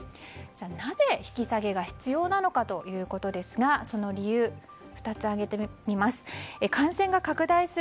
なぜ、引き下げが必要なのかということですがその理由、２つ挙げてみます。